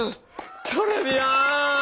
トレビアーン！